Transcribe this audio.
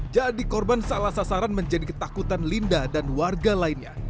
jadi korban salah sasaran menjadi ketakutan linda dan warga lainnya